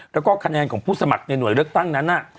แล้วก็คะแนนของผู้สมัครในหน่วยเลือกตั้งนั้น